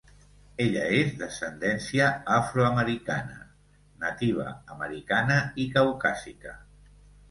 Ella és d'ascendència afroamericana, nativa americana i caucàsica.